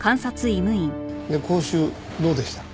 で講習どうでした？